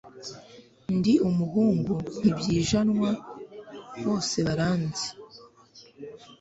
ndi umuhungu ntibyijanwa bose baranzi